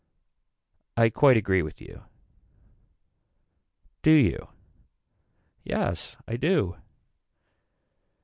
I quite agree with you. Do you. Yes I do.